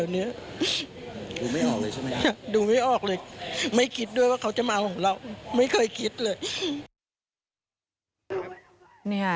ดูไม่ออกเลยใช่ไหมครับดูไม่ออกเลยไม่คิดด้วยว่าเขาจะเมาของเราไม่เคยคิดเลย